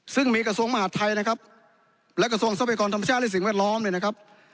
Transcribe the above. ซึ่งมีกระทรวงมหาดไทยนะครับและกระทรวงทรัพยากรธรรมชาติและสิ่งแวดล้อมเนี่ยนะครับ